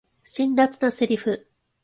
辛辣なセリフ